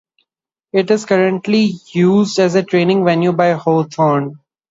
It is currently used as a training venue by Hawthorn.